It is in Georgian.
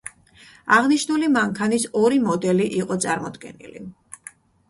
აღნიშნული მანქანის ორი მოდელი იყო წარმოდგენილი.